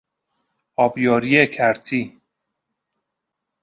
آبیاری کرتی